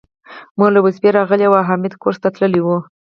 مور له وظيفې راغلې وه او حميد کورس ته تللی و